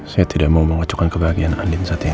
saya tidak mau mengocokkan kebahagiaan andin saat ini